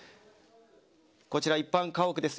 こちら一般家屋です。